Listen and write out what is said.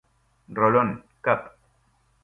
Rolón, Cap.